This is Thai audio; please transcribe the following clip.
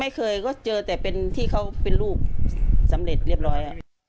ไม่เคยก็เจอแต่เป็นที่เขาเป็นลูกสำเร็จเรียบร้อย